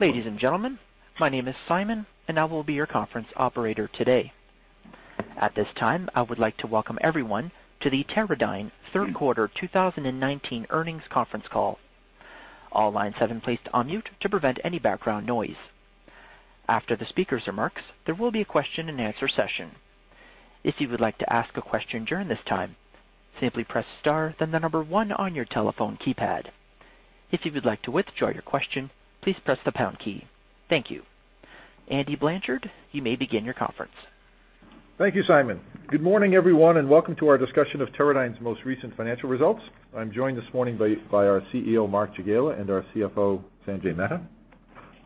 Ladies and gentlemen, my name is Simon, and I will be your conference operator today. At this time, I would like to welcome everyone to the Teradyne Third Quarter 2019 Earnings Conference Call. All lines have been placed on mute to prevent any background noise. After the speaker's remarks, there will be a question and answer session. If you would like to ask a question during this time, simply press star then the number one on your telephone keypad. If you would like to withdraw your question, please press the pound key. Thank you. Andy Blanchard, you may begin your conference. Thank you, Simon. Good morning, everyone, and welcome to our discussion of Teradyne's most recent financial results. I'm joined this morning by our CEO, Mark Jagiela, and our CFO, Sanjay Mehta.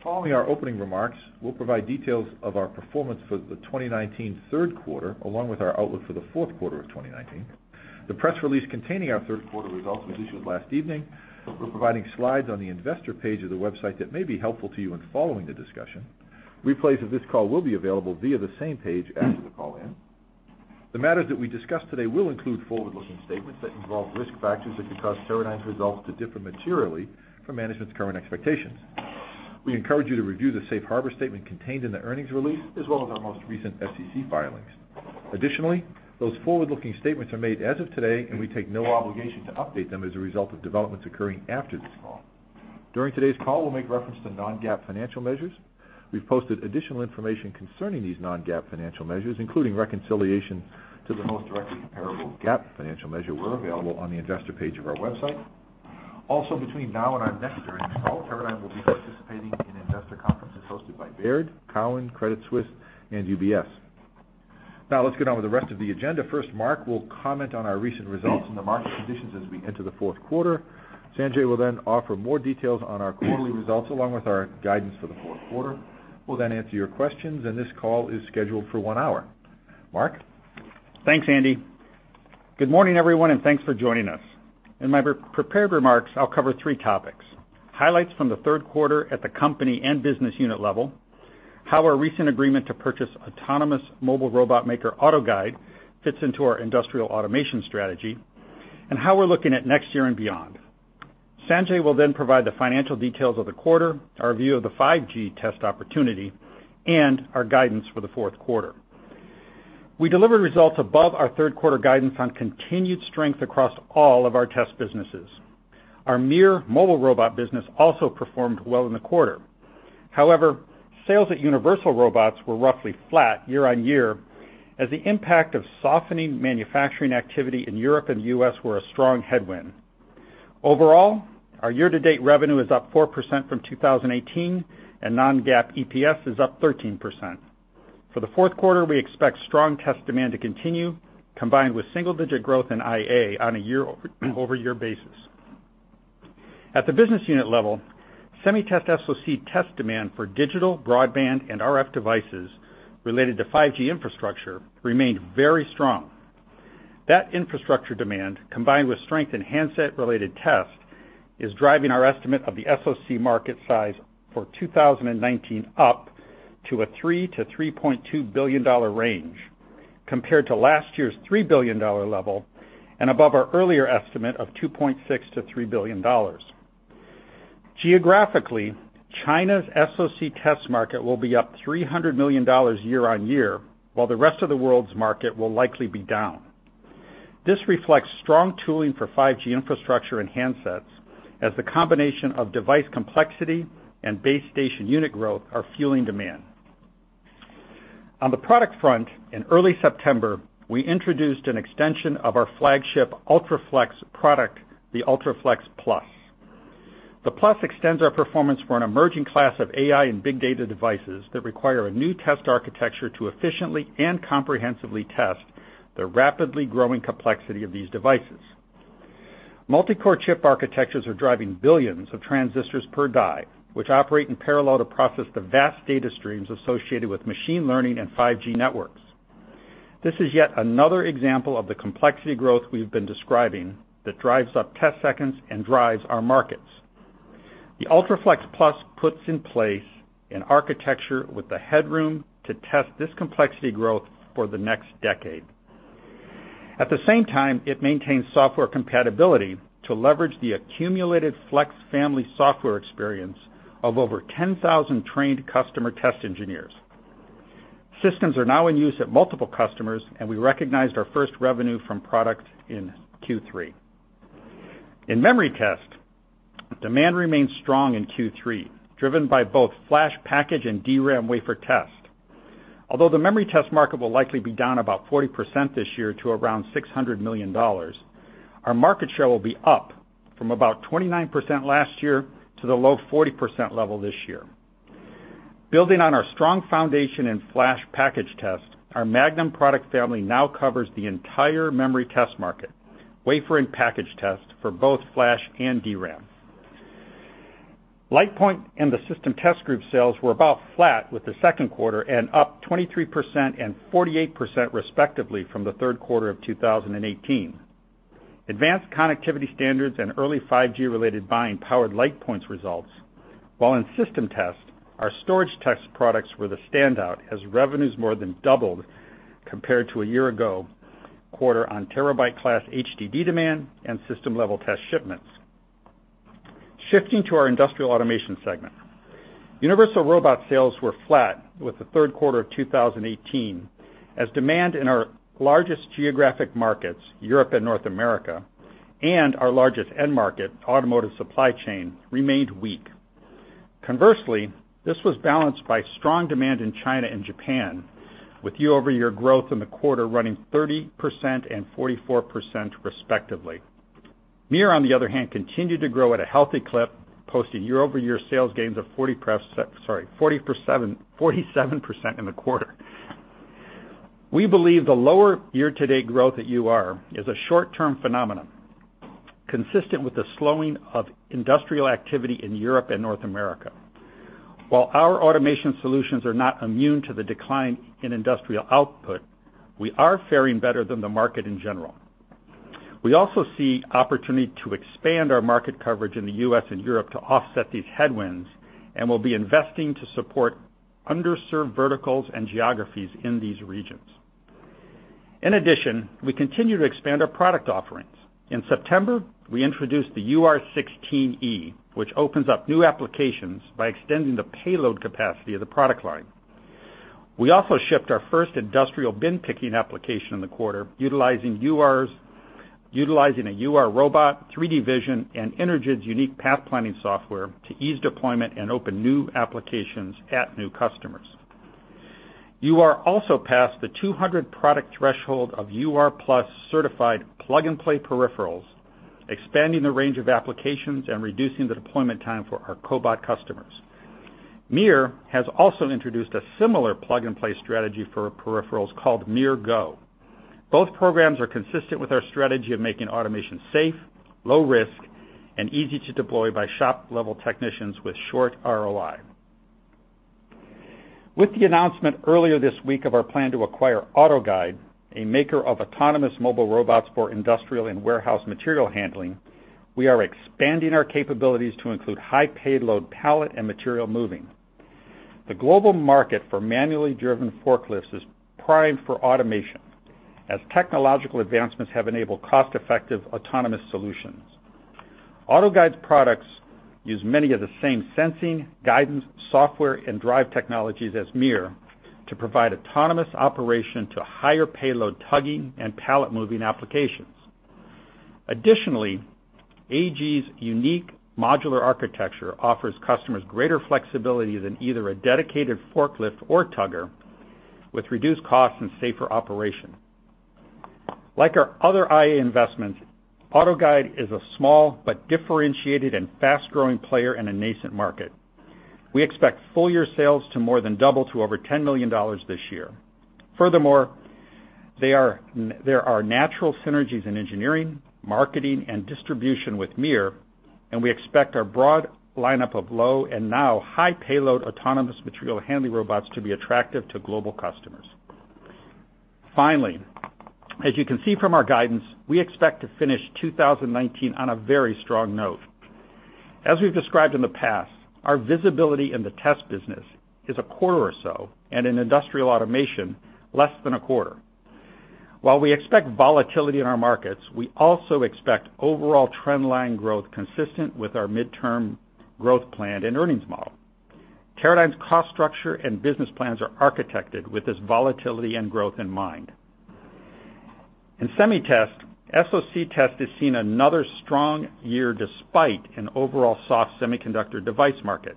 Following our opening remarks, we'll provide details of our performance for the 2019 third quarter, along with our outlook for the fourth quarter of 2019. The press release containing our third quarter results was issued last evening. We're providing slides on the investor page of the website that may be helpful to you in following the discussion. Replays of this call will be available via the same page after the call ends. The matters that we discuss today will include forward-looking statements that involve risk factors that could cause Teradyne's results to differ materially from management's current expectations. We encourage you to review the safe harbor statement contained in the earnings release, as well as our most recent SEC filings. Those forward-looking statements are made as of today. We take no obligation to update them as a result of developments occurring after this call. During today's call, we'll make reference to non-GAAP financial measures. We've posted additional information concerning these non-GAAP financial measures, including reconciliation to the most directly comparable GAAP financial measure, where available on the investor page of our website. Between now and our next earnings call, Teradyne will be participating in investor conferences hosted by Baird, Cowen, Credit Suisse, and UBS. Let's get on with the rest of the agenda. First, Mark will comment on our recent results and the market conditions as we enter the fourth quarter. Sanjay will then offer more details on our quarterly results, along with our guidance for the fourth quarter. We'll then answer your questions. This call is scheduled for one hour. Mark? Thanks, Andy. Good morning, everyone, and thanks for joining us. In my prepared remarks, I'll cover three topics. Highlights from the third quarter at the company and business unit level, how our recent agreement to purchase autonomous mobile robot maker AutoGuide fits into our industrial automation strategy, and how we're looking at next year and beyond. Sanjay will provide the financial details of the quarter, our view of the 5G test opportunity, and our guidance for the fourth quarter. We delivered results above our third quarter guidance on continued strength across all of our test businesses. Our MiR mobile robot business also performed well in the quarter. Sales at Universal Robots were roughly flat year-on-year, as the impact of softening manufacturing activity in Europe and the U.S. were a strong headwind. Our year-to-date revenue is up 4% from 2018, and non-GAAP EPS is up 13%. For the fourth quarter, we expect strong test demand to continue, combined with single-digit growth in IA on a year-over-year basis. At the business unit level, SemiTest SoC test demand for digital broadband and RF devices related to 5G infrastructure remained very strong. That infrastructure demand, combined with strength in handset-related test, is driving our estimate of the SoC market size for 2019 up to a $3 billion-$3.2 billion range compared to last year's $3 billion level, and above our earlier estimate of $2.6 billion-$3 billion. Geographically, China's SoC test market will be up $300 million year-on-year, while the rest of the world's market will likely be down. This reflects strong tooling for 5G infrastructure and handsets as the combination of device complexity and base station unit growth are fueling demand. On the product front, in early September, we introduced an extension of our flagship UltraFLEX product, the UltraFLEX Plus. The Plus extends our performance for an emerging class of AI and big data devices that require a new test architecture to efficiently and comprehensively test the rapidly growing complexity of these devices. Multicore chip architectures are driving billions of transistors per die, which operate in parallel to process the vast data streams associated with machine learning and 5G networks. This is yet another example of the complexity growth we've been describing that drives up test seconds and drives our markets. The UltraFLEX Plus puts in place an architecture with the headroom to test this complexity growth for the next decade. At the same time, it maintains software compatibility to leverage the accumulated FLEX family software experience of over 10,000 trained customer test engineers. Systems are now in use at multiple customers. We recognized our first revenue from product in Q3. In memory test, demand remains strong in Q3, driven by both flash package and DRAM wafer test. Although the memory test market will likely be down about 40% this year to around $600 million, our market share will be up from about 29% last year to the low 40% level this year. Building on our strong foundation in flash package test, our Magnum product family now covers the entire memory test market, wafer and package test for both flash and DRAM. LitePoint and the System Test Group sales were about flat with the second quarter and up 23% and 48% respectively from the third quarter of 2018. Advanced connectivity standards and early 5G-related buying powered LitePoint's results. While in System Test, our storage test products were the standout, as revenues more than doubled compared to a year-ago quarter on terabyte-class HDD demand and system-level test shipments. Shifting to our Industrial Automation segment. Universal Robots sales were flat with the third quarter of 2018 as demand in our largest geographic markets, Europe and North America, and our largest end market, automotive supply chain, remained weak. Conversely, this was balanced by strong demand in China and Japan, with year-over-year growth in the quarter running 30% and 44% respectively. MiR, on the other hand, continued to grow at a healthy clip, posting year-over-year sales gains of 47% in the quarter. We believe the lower year-to-date growth at UR is a short-term phenomenon, consistent with the slowing of industrial activity in Europe and North America. While our automation solutions are not immune to the decline in industrial output, we are faring better than the market in general. We also see opportunity to expand our market coverage in the U.S. and Europe to offset these headwinds, and we'll be investing to support underserved verticals and geographies in these regions. In addition, we continue to expand our product offerings. In September, we introduced the UR16e, which opens up new applications by extending the payload capacity of the product line. We also shipped our first industrial bin picking application in the quarter utilizing a UR robot, 3D vision, and Energid's unique path planning software to ease deployment and open new applications at new customers. UR also passed the 200-product threshold of UR+ certified plug-and-play peripherals, expanding the range of applications and reducing the deployment time for our cobot customers. MiR has also introduced a similar plug-and-play strategy for peripherals called MiR Go. Both programs are consistent with our strategy of making automation safe, low risk, and easy to deploy by shop-level technicians with short ROI. With the announcement earlier this week of our plan to acquire AutoGuide, a maker of autonomous mobile robots for industrial and warehouse material handling, we are expanding our capabilities to include high-payload pallet and material moving. The global market for manually driven forklifts is primed for automation, as technological advancements have enabled cost-effective autonomous solutions. AutoGuide's products use many of the same sensing, guidance, software, and drive technologies as MiR to provide autonomous operation to higher payload tugging and pallet moving applications. Additionally, AG's unique modular architecture offers customers greater flexibility than either a dedicated forklift or tugger with reduced cost and safer operation. Like our other IA investments, AutoGuide is a small but differentiated and fast-growing player in a nascent market. We expect full-year sales to more than double to over $10 million this year. There are natural synergies in engineering, marketing, and distribution with MiR, and we expect our broad lineup of low and now high-payload autonomous material handling robots to be attractive to global customers. As you can see from our guidance, we expect to finish 2019 on a very strong note. As we've described in the past, our visibility in the test business is a quarter or so, and in industrial automation, less than a quarter. We expect volatility in our markets, we also expect overall trend line growth consistent with our midterm growth plan and earnings model. Teradyne's cost structure and business plans are architected with this volatility and growth in mind. In SemiTest, SoC test has seen another strong year despite an overall soft semiconductor device market.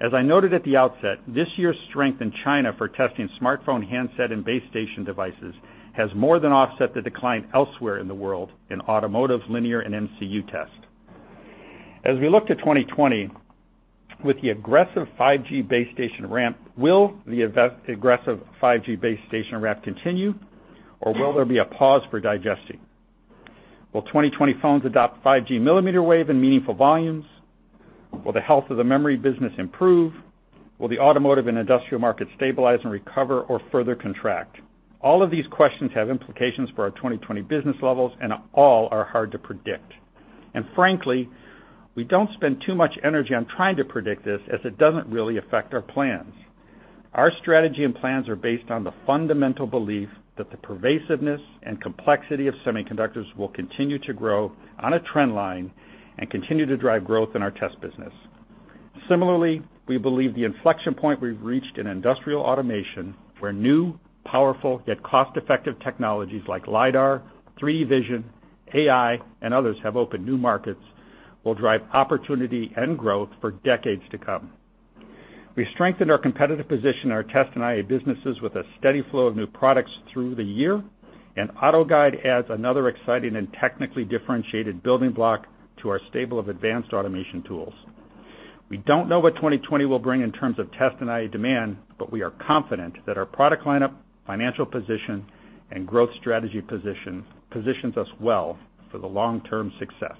As I noted at the outset, this year's strength in China for testing smartphone handset and base station devices has more than offset the decline elsewhere in the world in automotive, linear, and MCU test. As we look to 2020, with the aggressive 5G base station ramp, will the aggressive 5G base station ramp continue, or will there be a pause for digesting? Will 2020 phones adopt 5G mmWave in meaningful volumes? Will the health of the memory business improve? Will the automotive and industrial market stabilize and recover or further contract? All of these questions have implications for our 2020 business levels, all are hard to predict. Frankly, we don't spend too much energy on trying to predict this as it doesn't really affect our plans. Our strategy and plans are based on the fundamental belief that the pervasiveness and complexity of semiconductors will continue to grow on a trend line and continue to drive growth in our test business. Similarly, we believe the inflection point we've reached in industrial automation, where new, powerful, yet cost-effective technologies like LIDAR, 3D vision, AI, and others have opened new markets, will drive opportunity and growth for decades to come. We strengthened our competitive position in our test and IA businesses with a steady flow of new products through the year, and AutoGuide adds another exciting and technically differentiated building block to our stable of advanced automation tools. We don't know what 2020 will bring in terms of test and IA demand. We are confident that our product lineup, financial position, and growth strategy positions us well for the long-term success.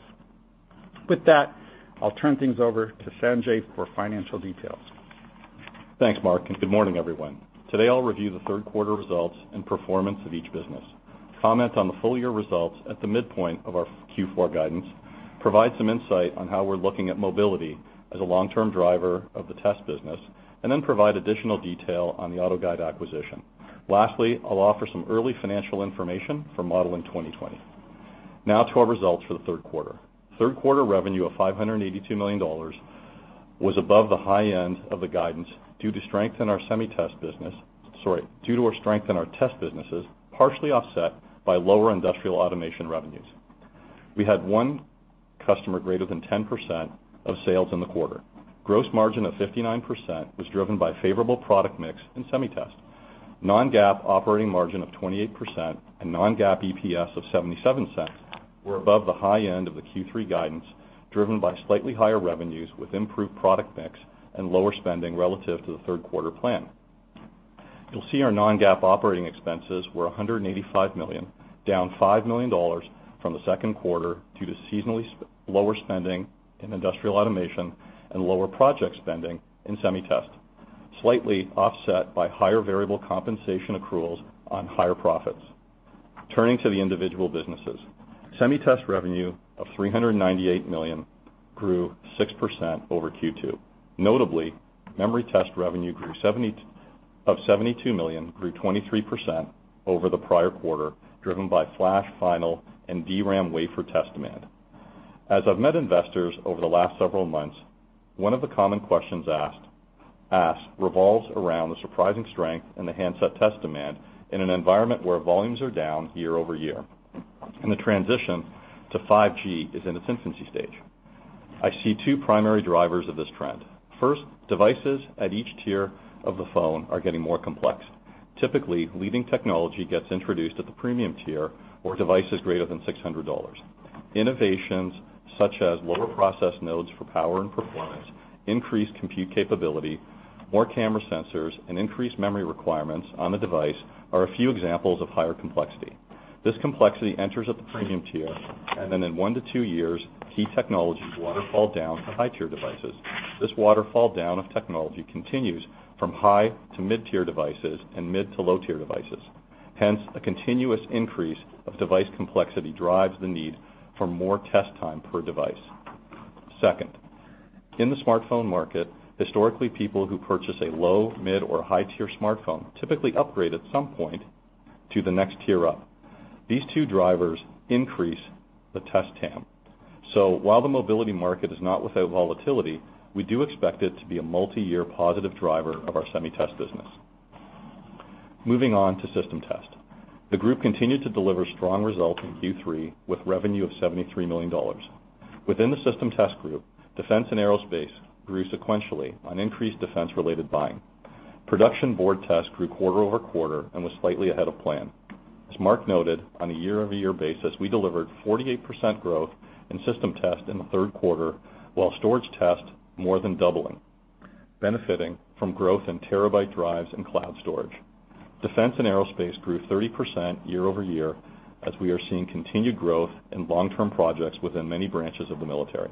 With that, I'll turn things over to Sanjay for financial details. Thanks, Mark. Good morning, everyone. Today, I'll review the third quarter results and performance of each business, comment on the full-year results at the midpoint of our Q4 guidance, provide some insight on how we're looking at mobility as a long-term driver of the test business. Then provide additional detail on the AutoGuide acquisition. Lastly, I'll offer some early financial information for modeling 2020. Now to our results for the third quarter. Third quarter revenue of $582 million was above the high end of the guidance due to strength in our SemiTest business. Sorry, due to our strength in our test businesses, partially offset by lower industrial automation revenues. We had one customer greater than 10% of sales in the quarter. Gross margin of 59% was driven by favorable product mix in SemiTest. Non-GAAP operating margin of 28% and non-GAAP EPS of $0.77 were above the high end of the Q3 guidance, driven by slightly higher revenues with improved product mix and lower spending relative to the third quarter plan. You'll see our non-GAAP OpEx were $185 million, down $5 million from the second quarter due to seasonally lower spending in Industrial Automation and lower project spending in Semiconductor Test, slightly offset by higher variable compensation accruals on higher profits. Turning to the individual businesses. Semiconductor Test revenue of $398 million grew 6% over Q2. Notably, memory test revenue of $72 million grew 23% over the prior quarter, driven by flash, final, and DRAM wafer test demand. As I've met investors over the last several months, one of the common questions asked revolves around the surprising strength in the handset test demand in an environment where volumes are down year-over-year, and the transition to 5G is in its infancy stage. I see two primary drivers of this trend. First, devices at each tier of the phone are getting more complex. Typically, leading technology gets introduced at the premium tier or devices greater than $600. Innovations such as lower process nodes for power and performance, increased compute capability, more camera sensors, and increased memory requirements on the device are a few examples of higher complexity. This complexity enters at the premium tier, and then in one to two years, key technologies waterfall down to high-tier devices. This waterfall down of technology continues from high to mid-tier devices and mid to low-tier devices. A continuous increase of device complexity drives the need for more test time per device. Second, in the smartphone market, historically, people who purchase a low, mid, or high-tier smartphone typically upgrade at some point to the next tier up. These two drivers increase the test TAM. While the mobility market is not without volatility, we do expect it to be a multi-year positive driver of our SemiTest business. Moving on to system test. The group continued to deliver strong results in Q3 with revenue of $73 million. Within the System Test Group, defense and aerospace grew sequentially on increased defense-related buying. Production board test grew quarter-over-quarter and was slightly ahead of plan. As Mark noted, on a year-over-year basis, we delivered 48% growth in System Test in the third quarter, while storage test more than doubling, benefiting from growth in terabyte drives and cloud storage. Defense and aerospace grew 30% year-over-year as we are seeing continued growth in long-term projects within many branches of the military.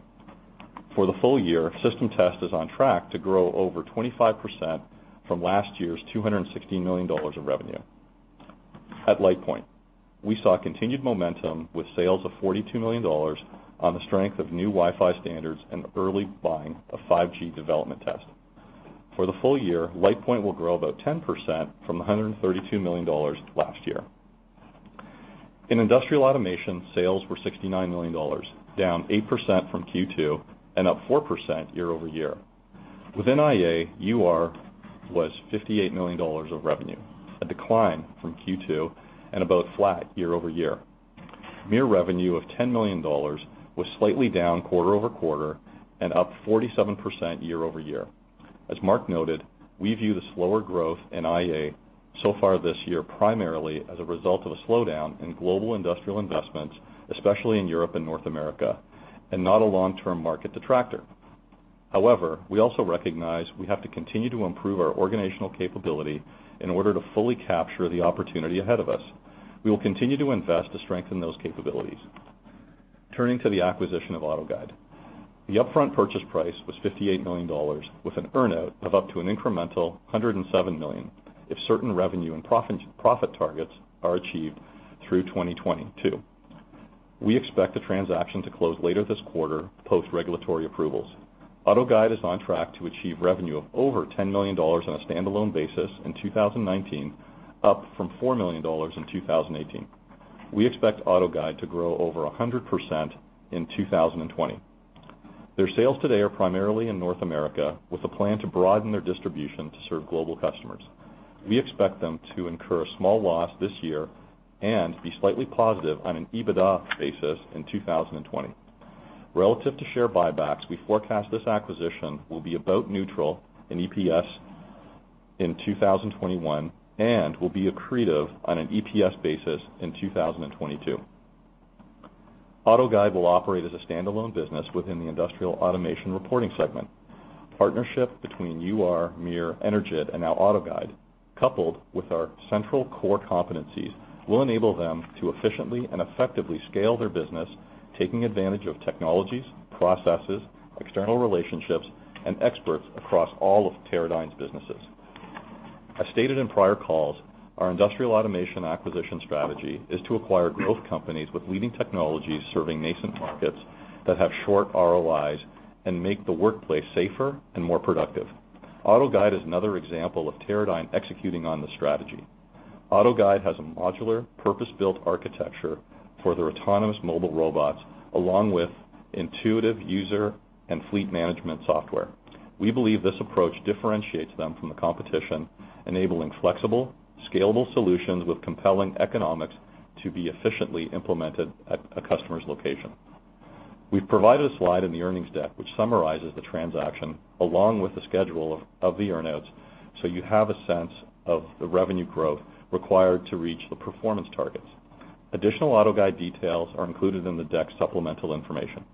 For the full year, System Test is on track to grow over 25% from last year's $216 million of revenue. At LitePoint, we saw continued momentum with sales of $42 million on the strength of new Wi-Fi standards and early buying of 5G development test. For the full year, LitePoint will grow about 10% from $132 million last year. In Industrial Automation, sales were $69 million, down 8% from Q2 and up 4% year-over-year. Within IA, UR was $58 million of revenue, a decline from Q2 and about flat year-over-year. MiR revenue of $10 million was slightly down quarter-over-quarter and up 47% year-over-year. As Mark noted, we view the slower growth in IA so far this year primarily as a result of a slowdown in global industrial investments, especially in Europe and North America, and not a long-term market detractor. However, we also recognize we have to continue to improve our organizational capability in order to fully capture the opportunity ahead of us. We will continue to invest to strengthen those capabilities. Turning to the acquisition of AutoGuide. The upfront purchase price was $58 million, with an earn-out of up to an incremental $107 million if certain revenue and profit targets are achieved through 2022. We expect the transaction to close later this quarter post regulatory approvals. AutoGuide is on track to achieve revenue of over $10 million on a standalone basis in 2019, up from $4 million in 2018. We expect AutoGuide to grow over 100% in 2020. Their sales today are primarily in North America, with a plan to broaden their distribution to serve global customers. We expect them to incur a small loss this year and be slightly positive on an EBITDA basis in 2020. Relative to share buybacks, we forecast this acquisition will be about neutral in EPS in 2021 and will be accretive on an EPS basis in 2022. AutoGuide will operate as a standalone business within the industrial automation reporting segment. Partnership between UR, MiR, Energid, and now AutoGuide, coupled with our central core competencies, will enable them to efficiently and effectively scale their business, taking advantage of technologies, processes, external relationships, and experts across all of Teradyne's businesses. As stated in prior calls, our industrial automation acquisition strategy is to acquire growth companies with leading technologies serving nascent markets that have short ROI and make the workplace safer and more productive. AutoGuide is another example of Teradyne executing on the strategy. AutoGuide has a modular, purpose-built architecture for their autonomous mobile robots, along with intuitive user and fleet management software. We believe this approach differentiates them from the competition, enabling flexible, scalable solutions with compelling economics to be efficiently implemented at a customer's location. We've provided a slide in the earnings deck which summarizes the transaction along with the schedule of the earnouts so you have a sense of the revenue growth required to reach the performance targets. Additional AutoGuide details are included in the deck's supplemental information.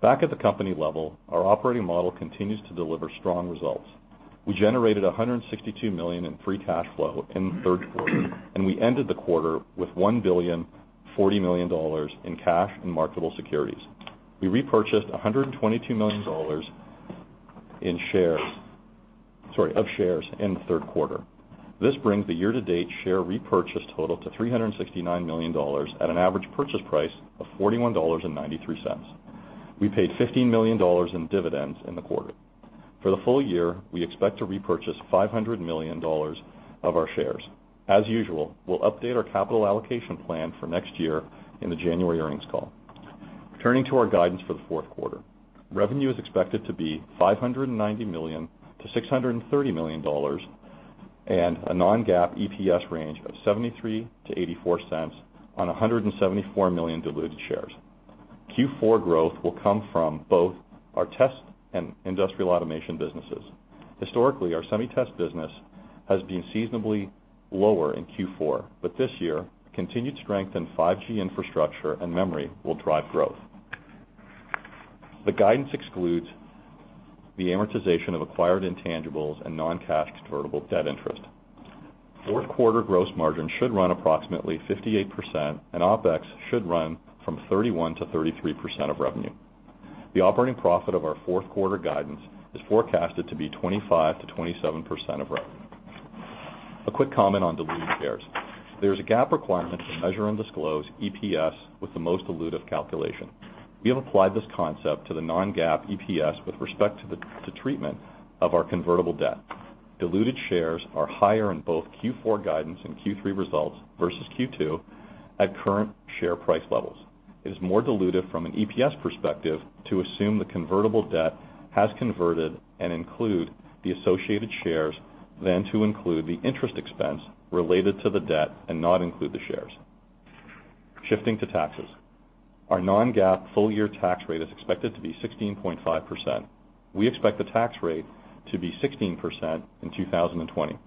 Back at the company level, our operating model continues to deliver strong results. We generated $162 million in free cash flow in the third quarter, and we ended the quarter with $1.040 billion in cash and marketable securities. We repurchased $122 million of shares in the third quarter. This brings the year-to-date share repurchase total to $369 million at an average purchase price of $41.93. We paid $15 million in dividends in the quarter. For the full year, we expect to repurchase $500 million of our shares. As usual, we'll update our capital allocation plan for next year in the January earnings call. Turning to our guidance for the fourth quarter. Revenue is expected to be $590 million-$630 million, and a non-GAAP EPS range of $0.73-$0.84 on 174 million diluted shares. Q4 growth will come from both our test and industrial automation businesses. Historically, our SemiTest business has been seasonably lower in Q4, but this year, continued strength in 5G infrastructure and memory will drive growth. The guidance excludes the amortization of acquired intangibles and non-cash convertible debt interest. Fourth-quarter gross margin should run approximately 58%, and OpEx should run from 31%-33% of revenue. The operating profit of our fourth-quarter guidance is forecasted to be 25%-27% of revenue. A quick comment on diluted shares. There is a GAAP requirement to measure and disclose EPS with the most dilutive calculation. We have applied this concept to the non-GAAP EPS with respect to the treatment of our convertible debt. Diluted shares are higher in both Q4 guidance and Q3 results versus Q2 at current share price levels. It is more dilutive from an EPS perspective to assume the convertible debt has converted and include the associated shares than to include the interest expense related to the debt and not include the shares. Shifting to taxes. Our non-GAAP full-year tax rate is expected to be 16.5%. We expect the tax rate to be 16% in 2020.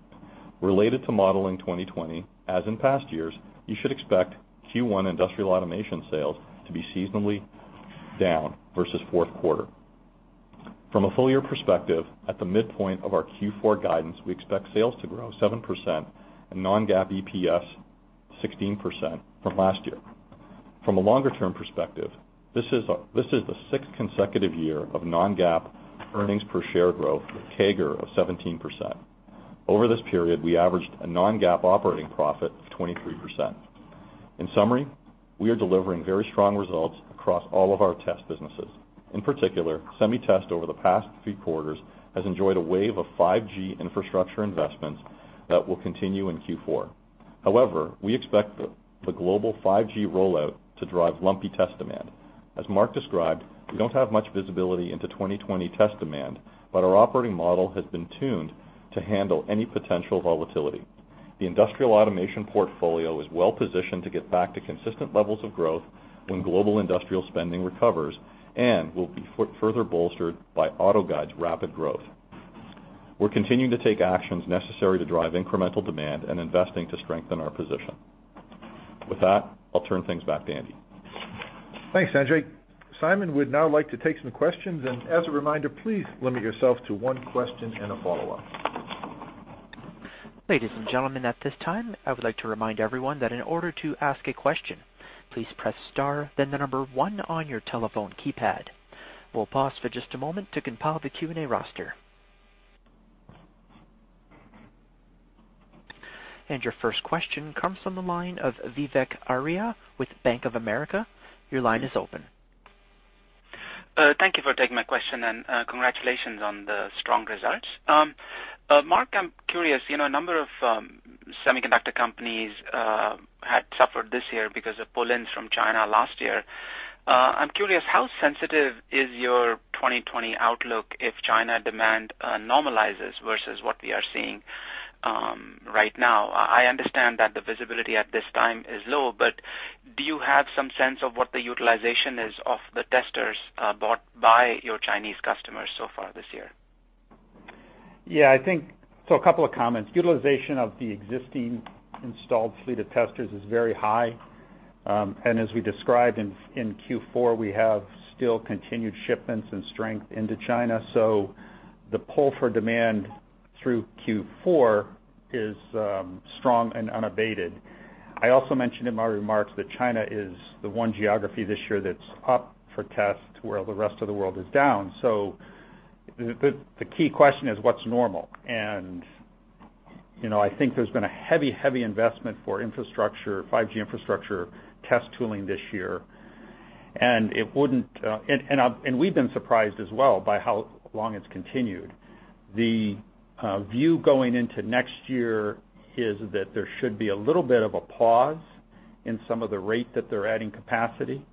Related to modeling 2020, as in past years, you should expect Q1 industrial automation sales to be seasonably down versus fourth quarter. From a full-year perspective, at the midpoint of our Q4 guidance, we expect sales to grow 7% and non-GAAP EPS 16% from last year. From a longer-term perspective, this is the sixth consecutive year of non-GAAP earnings per share growth with a CAGR of 17%. Over this period, we averaged a non-GAAP operating profit of 23%. In summary, we are delivering very strong results across all of our test businesses. In particular, SemiTest over the past few quarters has enjoyed a wave of 5G infrastructure investments that will continue in Q4. However, we expect the global 5G rollout to drive lumpy test demand. As Mark described, we don't have much visibility into 2020 test demand. Our operating model has been tuned to handle any potential volatility. The industrial automation portfolio is well-positioned to get back to consistent levels of growth when global industrial spending recovers and will be further bolstered by AutoGuide's rapid growth. We're continuing to take actions necessary to drive incremental demand and investing to strengthen our position. With that, I'll turn things back to Andy. Thanks, Sanjay. Simon would now like to take some questions, and as a reminder, please limit yourself to one question and a follow-up. Ladies and gentlemen, at this time, I would like to remind everyone that in order to ask a question, please press star, then the number 1 on your telephone keypad. We'll pause for just a moment to compile the Q&A roster. Your first question comes from the line of Vivek Arya with Bank of America. Your line is open. Thank you for taking my question. Congratulations on the strong results. Mark, I'm curious, a number of semiconductor companies had suffered this year because of pull-ins from China last year. I'm curious, how sensitive is your 2020 outlook if China demand normalizes versus what we are seeing right now? I understand that the visibility at this time is low. Do you have some sense of what the utilization is of the testers bought by your Chinese customers so far this year? Yeah. A couple of comments. Utilization of the existing installed fleet of testers is very high. As we described in Q4, we have still continued shipments and strength into China, so the pull for demand through Q4 is strong and unabated. I also mentioned in my remarks that China is the one geography this year that's up for test, where the rest of the world is down. The key question is, what's normal? I think there's been a heavy investment for 5G infrastructure test tooling this year. We've been surprised as well by how long it's continued. The view going into next year is that there should be a little bit of a pause in some of the rate that they're adding capacity,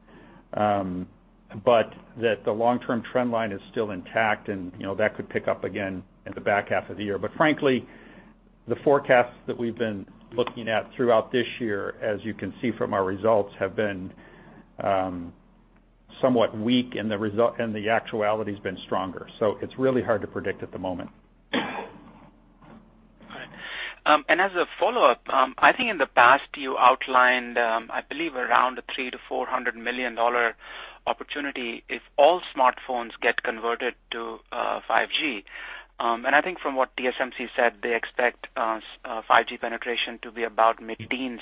but that the long-term trend line is still intact, and that could pick up again in the back half of the year. Frankly, the forecasts that we've been looking at throughout this year, as you can see from our results, have been somewhat weak, and the actuality's been stronger. It's really hard to predict at the moment. All right. As a follow-up, I think in the past you outlined, I believe, around a $300 million-$400 million opportunity if all smartphones get converted to 5G. I think from what TSMC said, they expect 5G penetration to be about mid-teens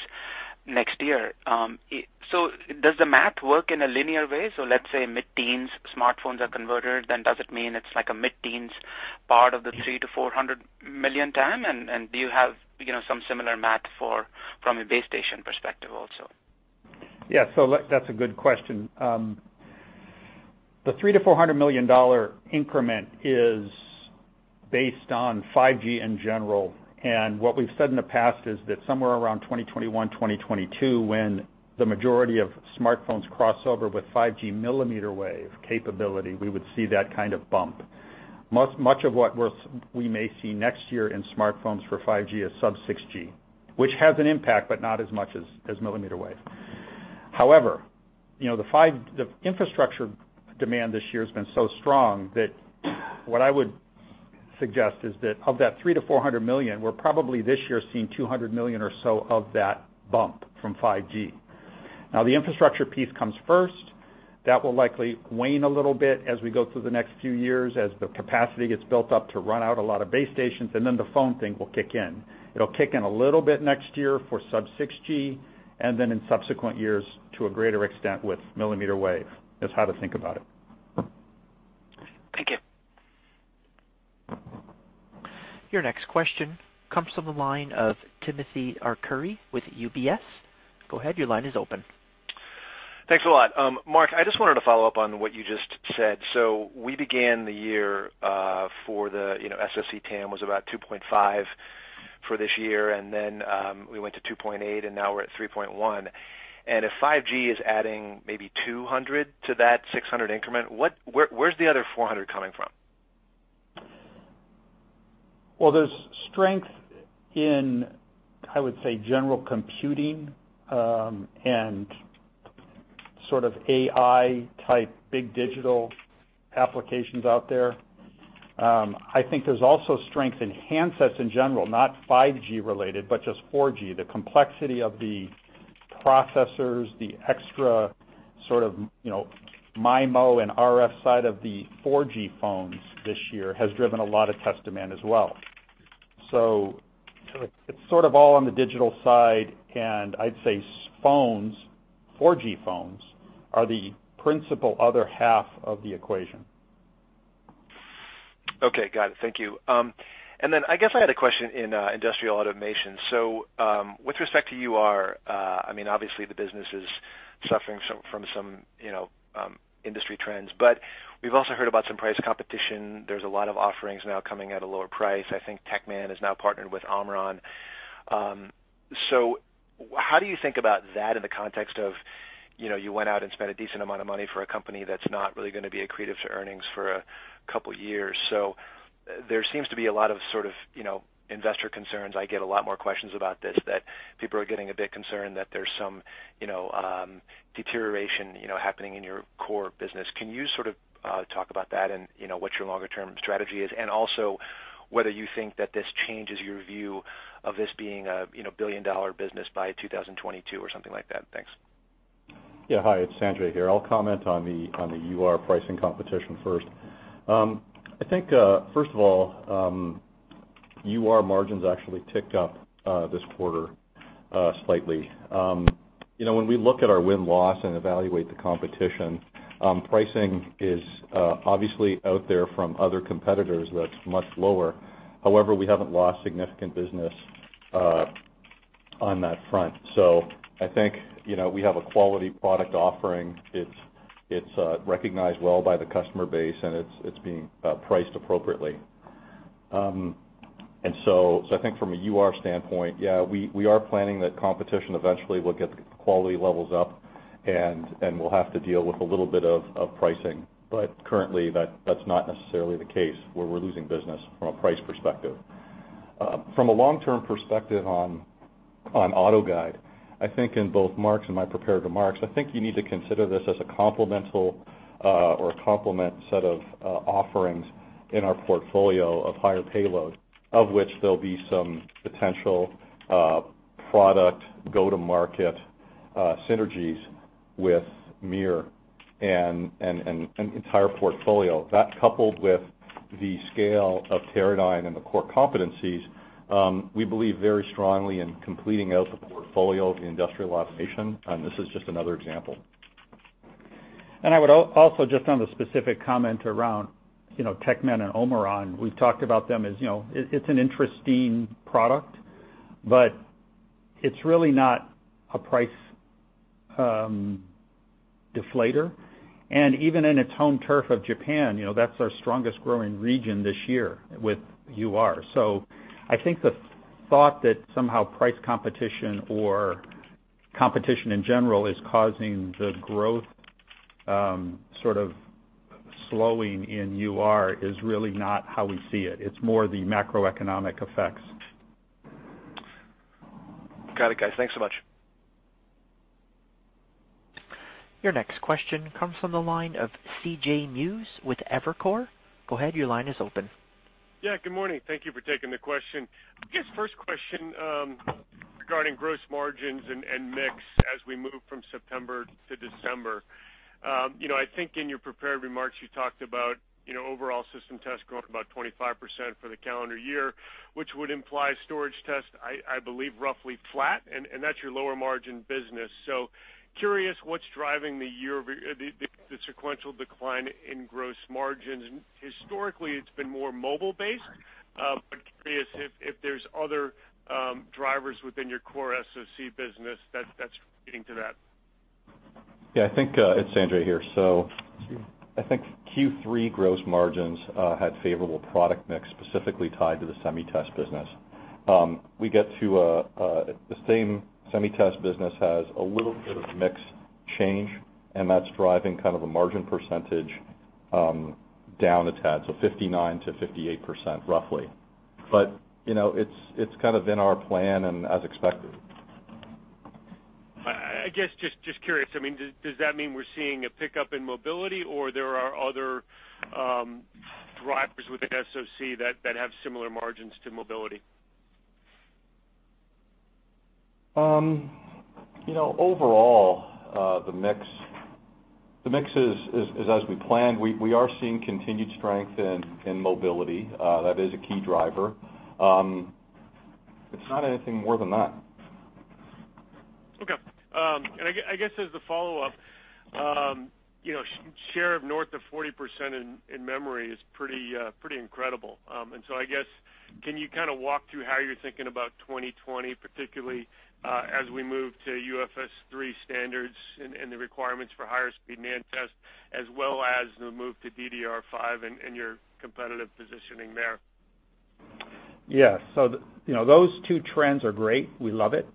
next year. Does the math work in a linear way? Let's say mid-teens smartphones are converted, then does it mean it's like a mid-teens part of the $300 million-$400 million TAM? Do you have some similar math from a base station perspective also? That's a good question. The $300 million-$400 million increment is based on 5G in general. What we've said in the past is that somewhere around 2021, 2022, when the majority of smartphones cross over with 5G mmWave capability, we would see that kind of bump. Much of what we may see next year in smartphones for 5G is sub-6 GHz, which has an impact, but not as much as mmWave. However, the infrastructure demand this year has been so strong that what I would suggest is that of that $300 million-$400 million, we're probably this year seeing $200 million or so of that bump from 5G. The infrastructure piece comes first. That will likely wane a little bit as we go through the next few years as the capacity gets built up to run out a lot of base stations, and then the phone thing will kick in. It'll kick in a little bit next year for sub-6 GHz, and then in subsequent years, to a greater extent with mmWave, is how to think about it. Thank you. Your next question comes from the line of Timothy Arcuri with UBS. Go ahead, your line is open. Thanks a lot, Mark. I just wanted to follow up on what you just said. We began the year for the SoC TAM was about $2.5 for this year, then we went to $2.8, and now we're at $3.1. If 5G is adding maybe $200 to that $600 increment, where's the other $400 coming from? Well, there's strength in, I would say, general computing, and sort of AI-type big digital applications out there. I think there's also strength in handsets in general, not 5G related, but just 4G. The complexity of the processors, the extra sort of MIMO and RF side of the 4G phones this year has driven a lot of test demand as well. It's sort of all on the digital side, and I'd say phones, 4G phones, are the principal other half of the equation. Okay. Got it. Thank you. I guess I had a question in industrial automation. With respect to UR, obviously the business is suffering from some industry trends, but we've also heard about some price competition. There's a lot of offerings now coming at a lower price. I think Techman is now partnered with Omron. How do you think about that in the context of you went out and spent a decent amount of money for a company that's not really going to be accretive to earnings for a couple of years? There seems to be a lot of sort of investor concerns. I get a lot more questions about this, that people are getting a bit concerned that there's some deterioration happening in your core business. Can you sort of talk about that and what your longer-term strategy is? Also, whether you think that this changes your view of this being a billion-dollar business by 2022 or something like that? Thanks. Yeah. Hi, it's Sanjay here. I'll comment on the UR pricing competition first. I think, first of all, UR margins actually ticked up this quarter slightly. When we look at our win-loss and evaluate the competition, pricing is obviously out there from other competitors that's much lower. However, we haven't lost significant business on that front. I think we have a quality product offering. It's recognized well by the customer base, and it's being priced appropriately. I think from a UR standpoint, yeah, we are planning that competition eventually will get the quality levels up, and we'll have to deal with a little bit of pricing. Currently, that's not necessarily the case where we're losing business from a price perspective. From a long-term perspective on AutoGuide, I think in both Mark's and my prepared remarks, I think you need to consider this as a complement set of offerings in our portfolio of higher payload, of which there'll be some potential product go-to-market synergies with MiR and an entire portfolio. That coupled with the scale of Teradyne and the core competencies, we believe very strongly in completing out the portfolio of the industrial automation, and this is just another example. I would also, just on the specific comment around Techman and Omron, we've talked about them as, it's an interesting product. It's really not a price deflator. Even in its home turf of Japan, that's our strongest growing region this year with UR. I think the thought that somehow price competition or competition in general is causing the growth sort of slowing in UR is really not how we see it. It's more the macroeconomic effects. Got it, guys. Thanks so much. Your next question comes from the line of C.J. Muse with Evercore. Go ahead, your line is open. Yeah, good morning. Thank you for taking the question. I guess first question regarding gross margins and mix as we move from September to December. I think in your prepared remarks, you talked about overall System Test growing about 25% for the calendar year, which would imply storage test, I believe, roughly flat. That's your lower-margin business. Curious what's driving the sequential decline in gross margins. Historically, it's been more mobile-based. I'm curious if there's other drivers within your core SoC business that's getting to that. Yeah, it's Sanjay here. I think Q3 gross margins had favorable product mix, specifically tied to the Semiconductor Test business. The same Semiconductor Test business has a little bit of mix change, and that's driving kind of a margin % down a tad, so 59%-58%, roughly. It's kind of in our plan and as expected. I guess, just curious, does that mean we're seeing a pickup in mobility, or there are other drivers within SoC that have similar margins to mobility? Overall, the mix is as we planned. We are seeing continued strength in mobility. That is a key driver. It's not anything more than that. Okay. I guess as the follow-up, share of north of 40% in memory is pretty incredible. I guess, can you kind of walk through how you're thinking about 2020, particularly as we move to UFS3 standards and the requirements for higher-speed NAND tests, as well as the move to DDR5 and your competitive positioning there? Yeah. Those two trends are great. We love it.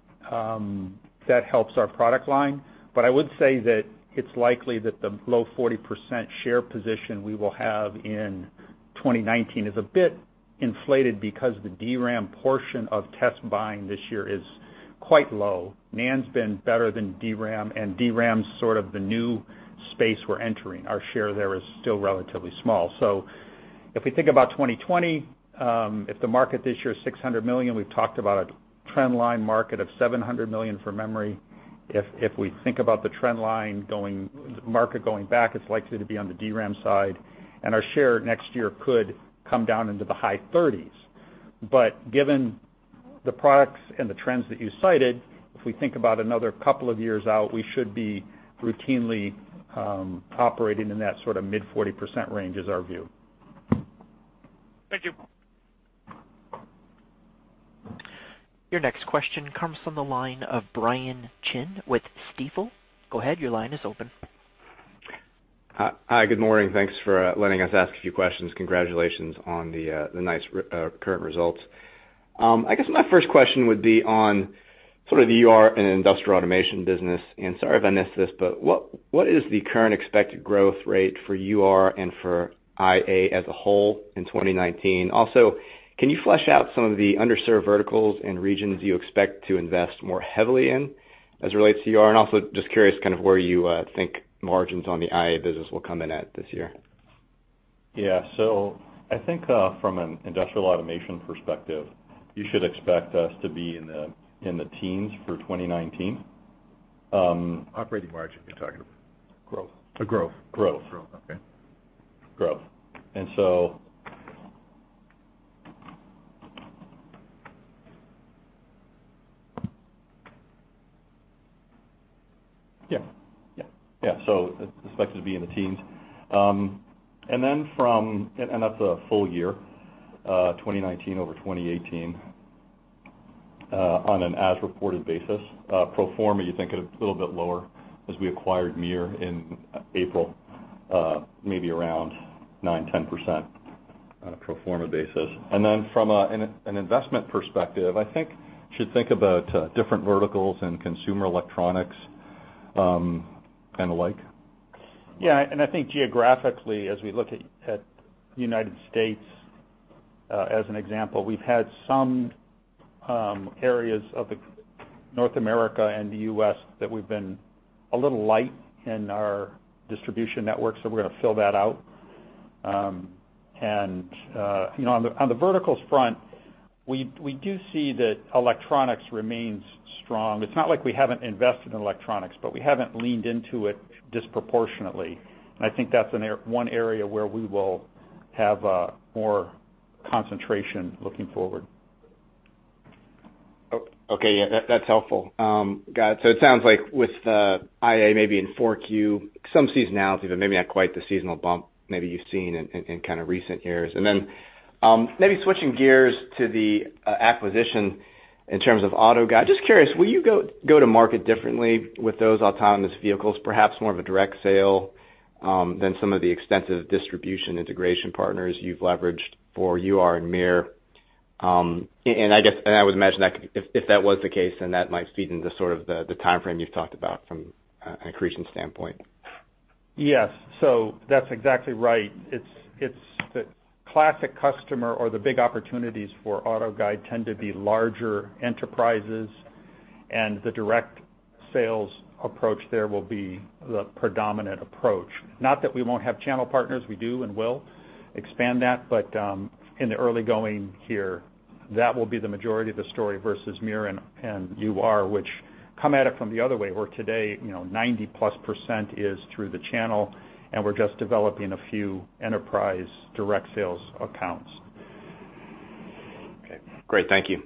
That helps our product line. I would say that it's likely that the low 40% share position we will have in 2019 is a bit inflated because the DRAM portion of test buying this year is quite low. NAND's been better than DRAM, and DRAM's sort of the new space we're entering. Our share there is still relatively small. If we think about 2020, if the market this year is $600 million, we've talked about a trend line market of $700 million for memory. If we think about the trend line, the market going back, it's likely to be on the DRAM side. Our share next year could come down into the high 30s. Given the products and the trends that you cited, if we think about another couple of years out, we should be routinely operating in that sort of mid-40% range, is our view. Thank you. Your next question comes from the line of Brian Chin with Stifel. Go ahead, your line is open. Hi. Good morning. Thanks for letting us ask a few questions. Congratulations on the nice current results. I guess my first question would be on sort of the UR and industrial automation business, sorry if I missed this, what is the current expected growth rate for UR and for IA as a whole in 2019? Can you flesh out some of the underserved verticals and regions you expect to invest more heavily in as it relates to UR? Just curious kind of where you think margins on the IA business will come in at this year. Yeah. I think from an industrial automation perspective, you should expect us to be in the teens for 2019. Operating margin, you're talking about? Growth. Growth. Growth. Okay. Growth. Yeah. Expected to be in the teens. That's a full year, 2019 over 2018, on an as-reported basis. Pro forma, you think it a little bit lower as we acquired MiR in April, maybe around 9%, 10% on a pro forma basis. From an investment perspective, I think, should think about different verticals and consumer electronics, and the like. Yeah, I think geographically, as we look at United States as an example, we've had some areas of North America and the U.S. that we've been a little light in our distribution network, so we're going to fill that out. On the verticals front, we do see that electronics remains strong. It's not like we haven't invested in electronics, but we haven't leaned into it disproportionately. I think that's one area where we will have more concentration looking forward. Okay. Yeah, that's helpful. Got it. It sounds like with the IA maybe in 4Q, some seasonality, but maybe not quite the seasonal bump maybe you've seen in recent years. Then maybe switching gears to the acquisition in terms of AutoGuide, just curious, will you go to market differently with those autonomous vehicles, perhaps more of a direct sale than some of the extensive distribution integration partners you've leveraged for UR and MiR? I would imagine if that was the case, then that might feed into sort of the timeframe you've talked about from an accretion standpoint. Yes. That's exactly right. It's the classic customer or the big opportunities for AutoGuide tend to be larger enterprises, and the direct sales approach there will be the predominant approach. Not that we won't have channel partners, we do and will expand that, but in the early going here, that will be the majority of the story versus MiR and UR, which come at it from the other way, where today 90-plus % is through the channel, and we're just developing a few enterprise direct sales accounts. Okay, great. Thank you.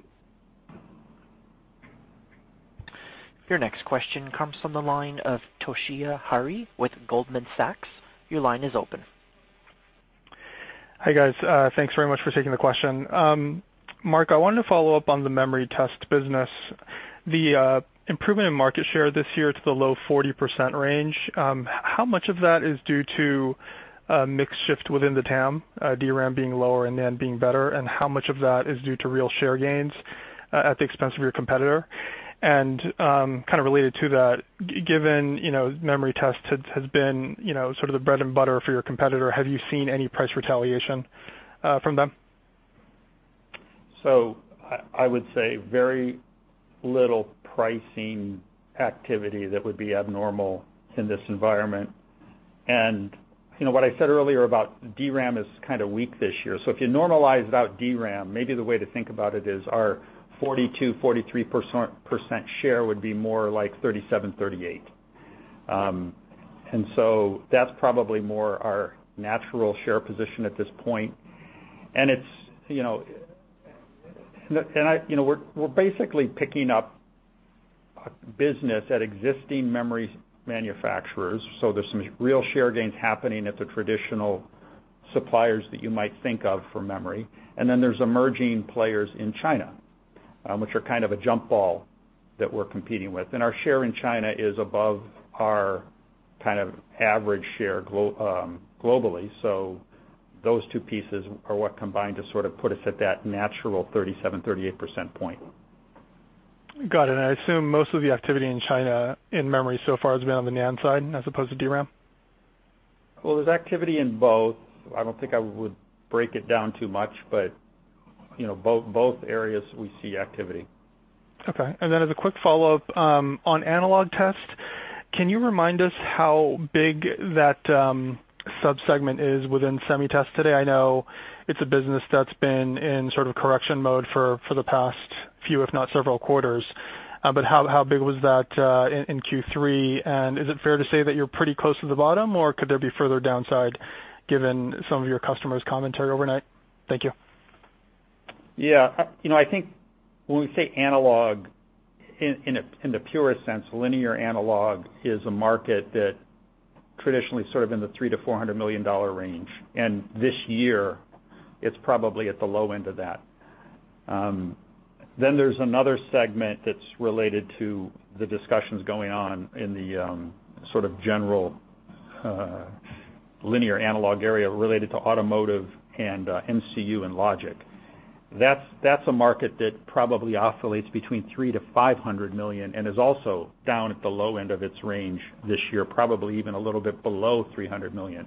Your next question comes from the line of Toshiya Hari with Goldman Sachs. Your line is open. Hi, guys. Thanks very much for taking the question. Mark, I wanted to follow up on the memory test business. The improvement in market share this year to the low 40% range, how much of that is due to mix shift within the TAM, DRAM being lower and NAND being better, and how much of that is due to real share gains at the expense of your competitor? Kind of related to that, given memory test has been sort of the bread and butter for your competitor, have you seen any price retaliation from them? I would say very little pricing activity that would be abnormal in this environment. What I said earlier about DRAM is kind of weak this year. If you normalize it out DRAM, maybe the way to think about it is our 42%-43% share would be more like 37%-38%. That's probably more our natural share position at this point. We're basically picking up business at existing memory manufacturers, so there's some real share gains happening at the traditional suppliers that you might think of for memory. There's emerging players in China, which are kind of a jump ball that we're competing with. Our share in China is above our kind of average share globally. Those two pieces are what combine to sort of put us at that natural 37%-38% point. Got it. I assume most of the activity in China in memory so far has been on the NAND side as opposed to DRAM? Well, there's activity in both. I don't think I would break it down too much, but both areas we see activity. Okay. As a quick follow-up, on analog test, can you remind us how big that subsegment is within SemiTest today? I know it's a business that's been in sort of correction mode for the past few, if not several quarters. How big was that in Q3? Is it fair to say that you're pretty close to the bottom, or could there be further downside given some of your customers' commentary overnight? Thank you. Yeah. I think when we say analog in the purest sense, linear analog is a market that traditionally sort of in the $300 million-$400 million range. This year, it's probably at the low end of that. There's another segment that's related to the discussions going on in the sort of general linear analog area related to automotive and MCU and logic. That's a market that probably oscillates between $300 million-$500 million and is also down at the low end of its range this year, probably even a little bit below $300 million.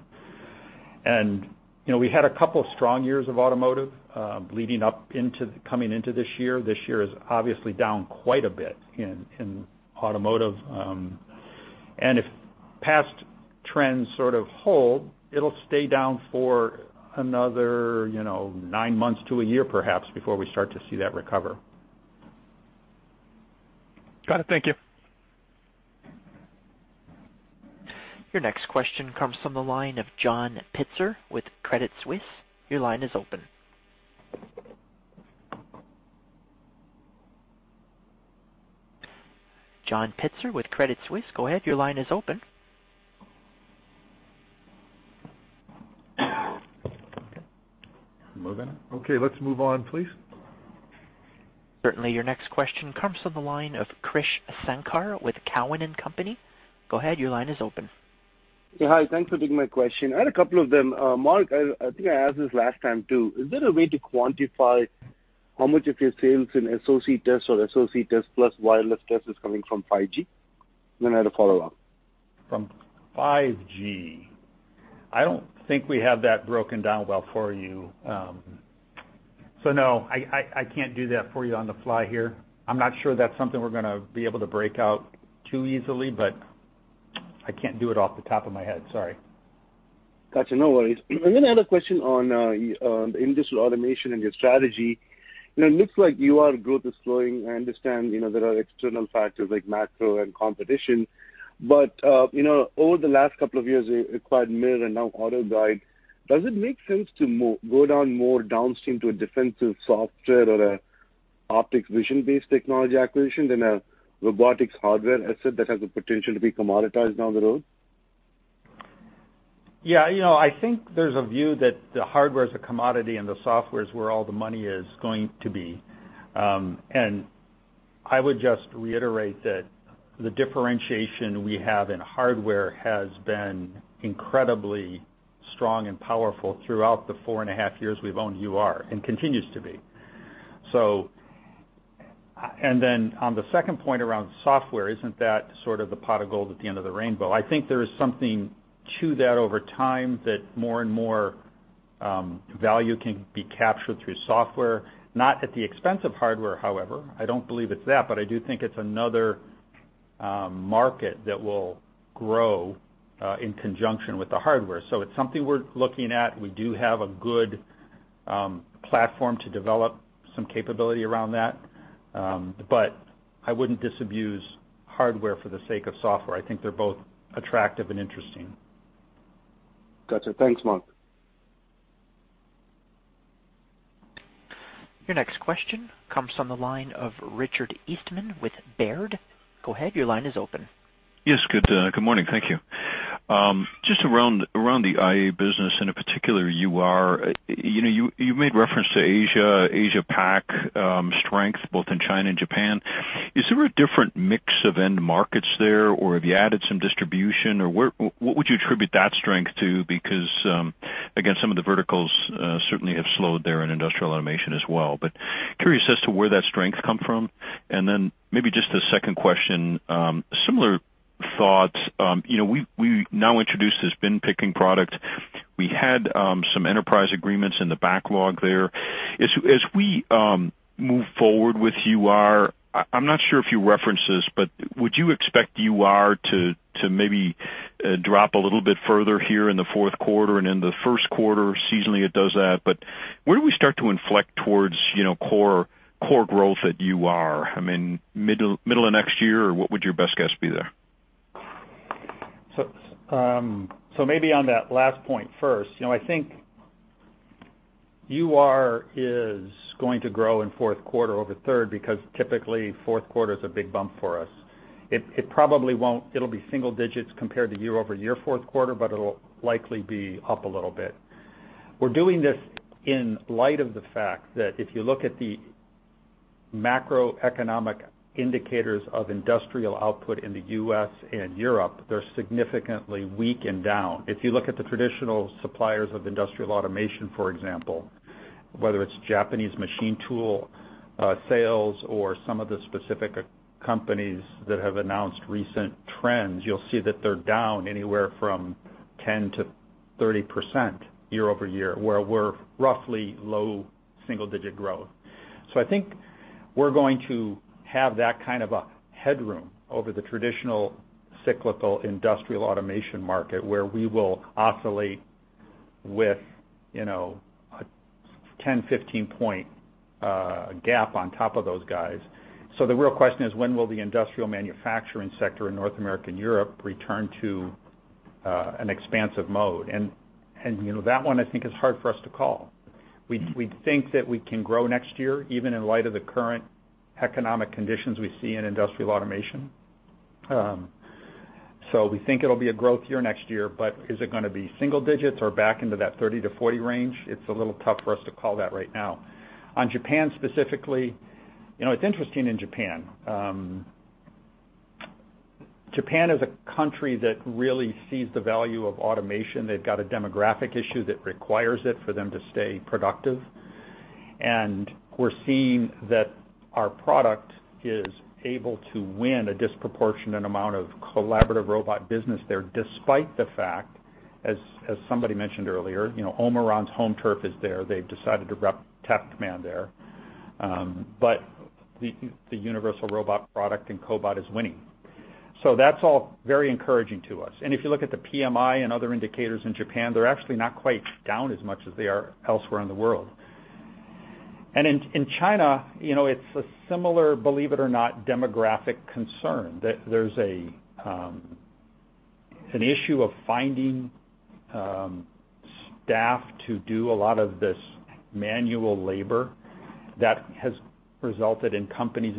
We had a couple of strong years of automotive leading up coming into this year. This year is obviously down quite a bit in automotive. If past trends sort of hold, it'll stay down for another nine months to a year, perhaps, before we start to see that recover. Got it. Thank you. Your next question comes from the line of John Pitzer with Credit Suisse. Your line is open. John Pitzer with Credit Suisse, go ahead. Your line is open. Moving. Okay, let's move on, please. Certainly. Your next question comes from the line of Krish Sankar with Cowen and Company. Go ahead, your line is open. Yeah. Hi. Thanks for taking my question. I had a couple of them. Mark, I think I asked this last time, too. Is there a way to quantify how much of your sales in SoC test or SoC test plus wireless test is coming from 5G? I had a follow up. From 5G. I don't think we have that broken down well for you. No, I can't do that for you on the fly here. I'm not sure that's something we're going to be able to break out too easily, but I can't do it off the top of my head. Sorry. Got you. No worries. I had a question on the industrial automation and your strategy. It looks like UR growth is slowing. I understand, there are external factors like macro and competition, over the last couple of years, you acquired MiR and now AutoGuide. Does it make sense to go down more downstream to a defensive software or a optics vision-based technology acquisition than a robotics hardware asset that has the potential to be commoditized down the road? Yeah. I think there's a view that the hardware is a commodity and the software is where all the money is going to be. I would just reiterate that the differentiation we have in hardware has been incredibly strong and powerful throughout the four and a half years we've owned UR, and continues to be. On the second point around software, isn't that sort of the pot of gold at the end of the rainbow? I think there is something to that over time, that more and more value can be captured through software. Not at the expense of hardware, however. I don't believe it's that, I do think it's another market that will grow in conjunction with the hardware. It's something we're looking at. We do have a good platform to develop some capability around that. I wouldn't disabuse hardware for the sake of software. I think they're both attractive and interesting. Got you. Thanks, Mark. Your next question comes from the line of Rick Eastman with Baird. Go ahead, your line is open. Yes, good morning. Thank you. Just around the IA business and in particular, UR. You made reference to Asia Pac strength both in China and Japan. Is there a different mix of end markets there, or have you added some distribution? What would you attribute that strength to? Again, some of the verticals certainly have slowed there in industrial automation as well. Curious as to where that strength come from. Maybe just a second question, similar thoughts. We now introduced this bin picking product. We had some enterprise agreements in the backlog there. As we move forward with UR, I'm not sure if you referenced this, but would you expect UR to maybe drop a little bit further here in the fourth quarter and in the first quarter? Seasonally it does that, but where do we start to inflect towards core growth at UR? I mean, middle of next year, or what would your best guess be there? Maybe on that last point first. I think UR is going to grow in fourth quarter over third because typically, fourth quarter is a big bump for us. It'll be single digits compared to year-over-year fourth quarter, but it'll likely be up a little bit. We're doing this in light of the fact that if you look at the macroeconomic indicators of industrial output in the U.S. and Europe, they're significantly weak and down. If you look at the traditional suppliers of industrial automation, for example, whether it's Japanese machine tool sales or some of the specific companies that have announced recent trends, you'll see that they're down anywhere from 10% to 30% year-over-year, where we're roughly low single-digit growth. I think we're going to have that kind of a headroom over the traditional cyclical industrial automation market where we will oscillate with a 10, 15 point gap on top of those guys. The real question is when will the industrial manufacturing sector in North America and Europe return to an expansive mode? That one, I think, is hard for us to call. We think that we can grow next year, even in light of the current economic conditions we see in industrial automation. We think it'll be a growth year next year, but is it going to be single digits or back into that 30-40 range? It's a little tough for us to call that right now. On Japan specifically, it's interesting in Japan. Japan is a country that really sees the value of automation. They've got a demographic issue that requires it for them to stay productive. We're seeing that our product is able to win a disproportionate amount of collaborative robot business there, despite the fact, as somebody mentioned earlier, Omron's home turf is there. They've decided to rep Techman there. The Universal Robot product and cobot is winning. That's all very encouraging to us. If you look at the PMI and other indicators in Japan, they're actually not quite down as much as they are elsewhere in the world. In China, it's a similar, believe it or not, demographic concern. There's an issue of finding staff to do a lot of this manual labor that has resulted in companies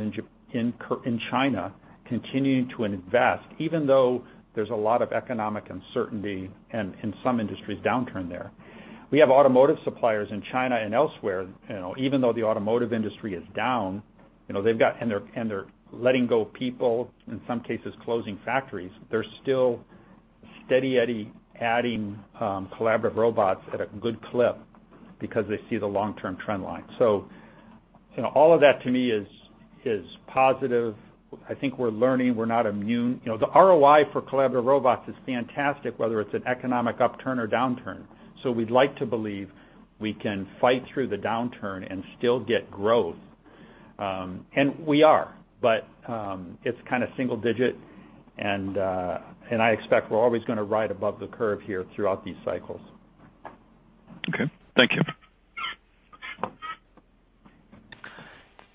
in China continuing to invest, even though there's a lot of economic uncertainty and in some industries, downturn there. We have automotive suppliers in China and elsewhere, even though the automotive industry is down, and they're letting go of people, in some cases closing factories, they're still steady adding collaborative robots at a good clip because they see the long-term trend line. All of that to me is positive. I think we're learning, we're not immune. The ROI for collaborative robots is fantastic, whether it's an economic upturn or downturn. We'd like to believe we can fight through the downturn and still get growth. We are, but it's kind of single digit, and I expect we're always going to ride above the curve here throughout these cycles. Okay. Thank you.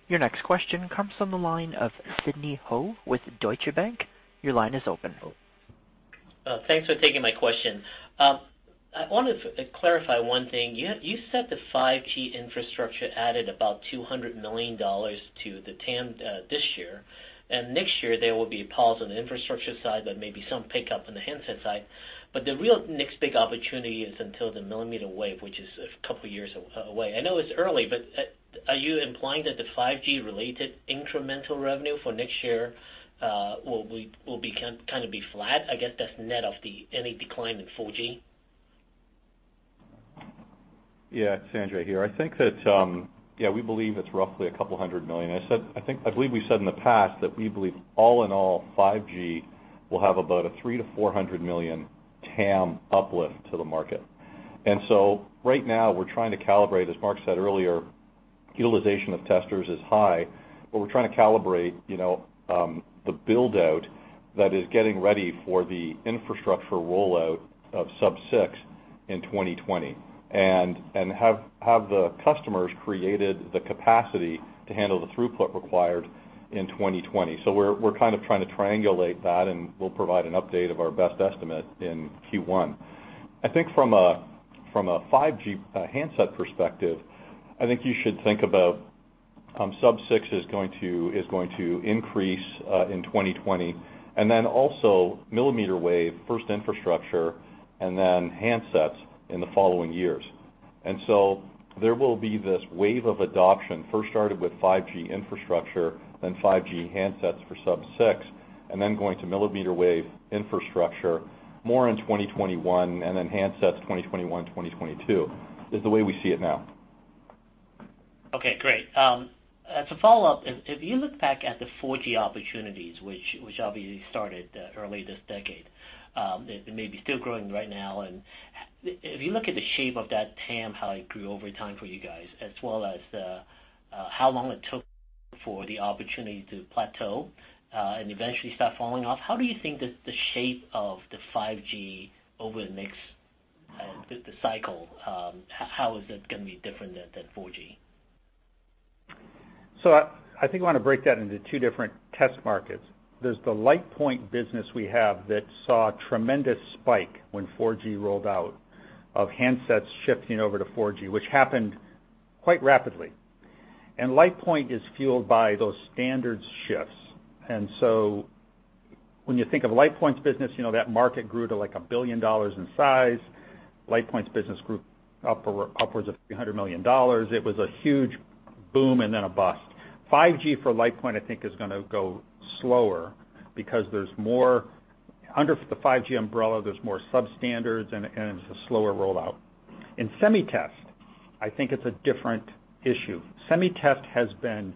Your next question comes from the line of Sidney Ho with Deutsche Bank. Your line is open. Thanks for taking my question. I wanted to clarify one thing. You said the 5G infrastructure added about $200 million to the TAM this year. Next year, there will be a pause on the infrastructure side, but maybe some pickup on the handset side. The real next big opportunity is until the mmWave, which is a couple of years away. I know it's early, but are you implying that the 5G-related incremental revenue for next year will kind of be flat? I guess that's net of any decline in 4G. Yeah, it's Sanjay here. I think that, we believe it's roughly $200 million. I believe we said in the past that we believe all in all, 5G will have about a $300 million-$400 million TAM uplift to the market. Right now we're trying to calibrate, as Mark said earlier, utilization of testers is high, but we're trying to calibrate the build-out that is getting ready for the infrastructure rollout of sub-6 GHz in 2020, and have the customers created the capacity to handle the throughput required in 2020. We're kind of trying to triangulate that, and we'll provide an update of our best estimate in Q1. I think from a 5G handset perspective, I think you should think about sub-6 GHz is going to increase in 2020, and then also mmWave, first infrastructure, and then handsets in the following years. There will be this wave of adoption first started with 5G infrastructure, then 5G handsets for sub-6, and then going to millimeter wave infrastructure more in 2021, and then handsets 2021, 2022, is the way we see it now. Okay, great. As a follow-up, if you look back at the 4G opportunities, which obviously started early this decade, it may be still growing right now. If you look at the shape of that TAM, how it grew over time for you guys, as well as how long it took for the opportunity to plateau, and eventually start falling off. How do you think the shape of the 5G over the cycle, how is that going to be different than 4G? I think I want to break that into two different test markets. There's the LitePoint business we have that saw a tremendous spike when 4G rolled out, of handsets shifting over to 4G, which happened quite rapidly. LitePoint is fueled by those standards shifts. When you think of LitePoint's business, that market grew to like $1 billion in size. LitePoint's business grew upwards of $a few hundred million. It was a huge boom and then a bust. 5G for LitePoint, I think, is going to go slower because under the 5G umbrella, there's more sub-standards and it's a slower rollout. In SemiTest, I think it's a different issue. SemiTest has been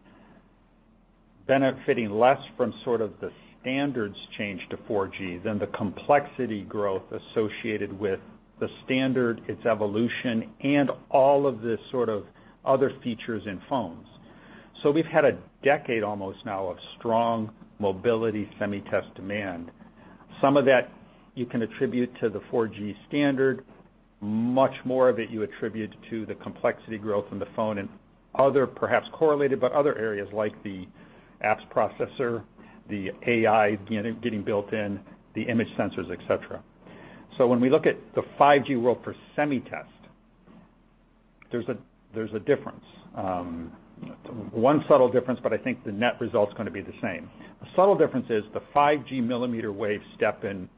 benefiting less from sort of the standards change to 4G than the complexity growth associated with the standard, its evolution, and all of the sort of other features in phones. We've had a decade almost now of strong mobility SemiTest demand. Some of that you can attribute to the 4G standard, much more of it you attribute to the complexity growth in the phone and other perhaps correlated, but other areas like the apps processor, the AI getting built in, the image sensors, et cetera. When we look at the 5G world for SemiTest, there's a difference. One subtle difference, but I think the net result's going to be the same. The subtle difference is the 5G millimeter wave step-in,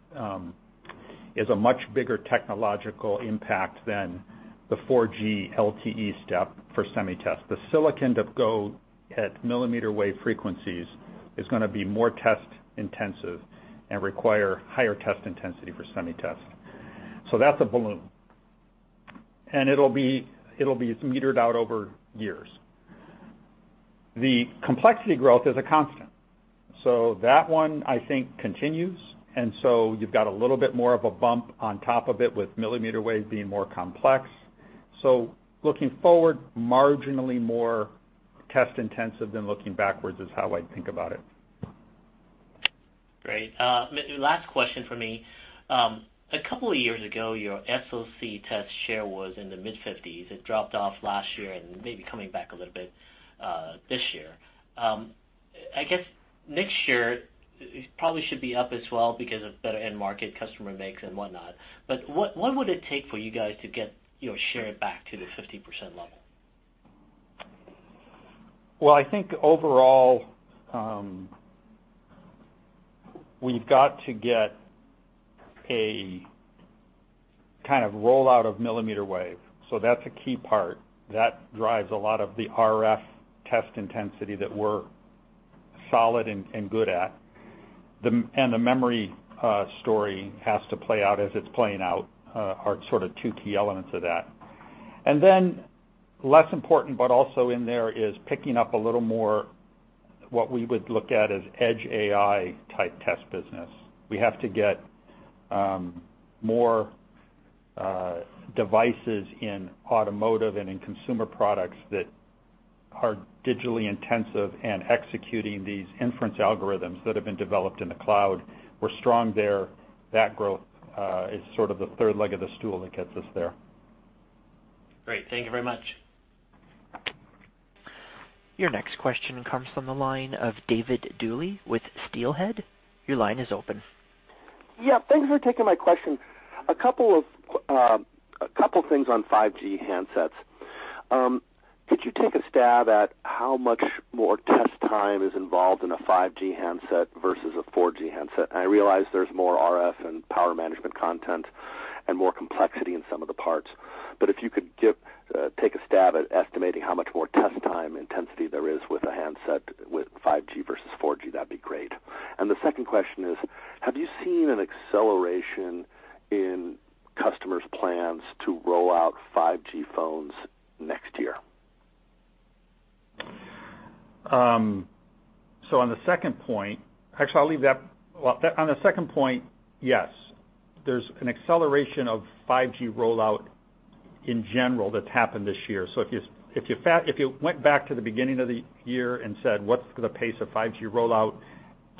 is a much bigger technological impact than the 4G LTE step for SemiTest. The silicon to go at millimeter wave frequencies is going to be more test intensive and require higher test intensity for SemiTest. That's a balloon. And it'll be metered out over years. The complexity growth is a constant. That one, I think, continues. You've got a little bit more of a bump on top of it with millimeter wave being more complex. Looking forward, marginally more test intensive than looking backwards is how I think about it. Great. Last question from me. A couple of years ago, your SoC Test share was in the mid-50s. It dropped off last year and may be coming back a little bit, this year. I guess next year it probably should be up as well because of better end market customer mix and whatnot. What would it take for you guys to get your share back to the 50% level? I think overall, we've got to get a kind of rollout of mmWave. That's a key part. That drives a lot of the RF test intensity that we're solid and good at. The memory story has to play out as it's playing out, are sort of two key elements of that. Less important, but also in there is picking up a little more what we would look at as edge AI type test business. We have to get more devices in automotive and in consumer products that are digitally intensive and executing these inference algorithms that have been developed in the cloud. We're strong there. That growth is sort of the third leg of the stool that gets us there. Great. Thank you very much. Your next question comes from the line of David Duley with Steelhead Your line is open. Yeah, thanks for taking my question. A couple things on 5G handsets. Could you take a stab at how much more test time is involved in a 5G handset versus a 4G handset? I realize there's more RF and power management content and more complexity in some of the parts, but if you could take a stab at estimating how much more test time intensity there is with a handset with 5G versus 4G, that'd be great. The second question is, have you seen an acceleration in customers' plans to roll out 5G phones next year? On the second point, yes. There's an acceleration of 5G rollout in general that's happened this year. If you went back to the beginning of the year and said, "What's the pace of 5G rollout